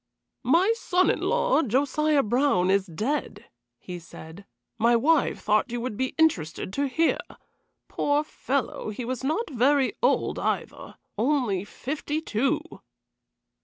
"My son in law, Josiah Brown, is dead," he said. "My wife thought you would be interested to hear. Poor fellow, he was not very old either only fifty two."